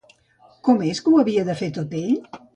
Com és que ho havia de fer tot ell?